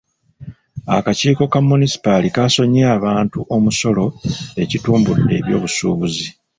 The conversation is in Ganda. Akakiiko ka munisipaali kasonyiye abantu omusolo ekitumbude ebyobusuubuzi.